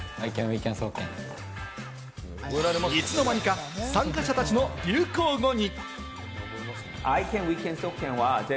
いつの間にか参加者たちの流行語に。